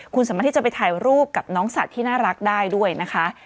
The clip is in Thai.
คุณสามารถที่จะไปถ่ายรูปกับน้องสัตว์ที่น่ารักได้ด้วยนะคะ